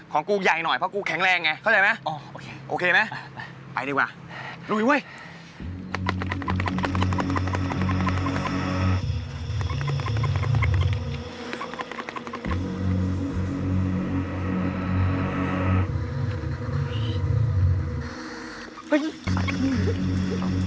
ของกูใหญ่หน่อยเพราะกูแข็งแรงไงเข้าใจไหม